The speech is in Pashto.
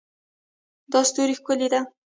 دا ستوری ښکلی ده